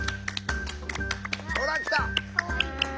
ほら来た！